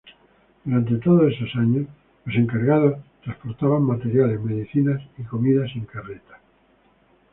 Durante todos esos años, los encargados transportaban materiales, medicinas y comida en carreta.